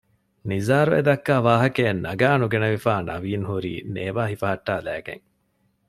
ނިޒާރު އެދައްކާ ވާހަކައެއް ނަގާ ނުގަނެވިފައި ނަވީން ހުރީ ނޭވާ ހިފަހައްޓާލައިގެން